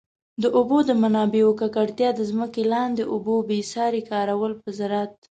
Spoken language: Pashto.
د اوبو د منابعو ککړتیا، د ځمکي لاندي اوبو بي ساري کارول په زراعت.